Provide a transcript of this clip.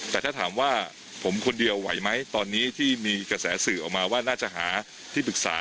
แต่ถ้าถามว่าผมคนเดียวไหวไหมตอนนี้ที่มีกระแสสื่อออกมาว่าน่าจะหาที่ปรึกษา